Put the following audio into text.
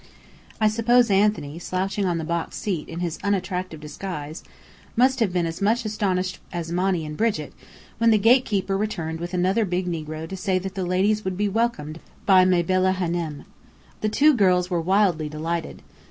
I suppose Anthony, slouching on the box seat in his unattractive disguise, must have been as much astonished as Monny and Brigit when the gatekeeper returned with another big negro to say that the ladies would be welcomed by Mabella Hânem. The two girls were wildly delighted.